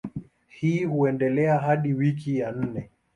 Hii huendelea hadi wiki ya nne.